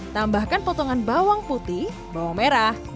tambahkan potongan bawang putih bawang merah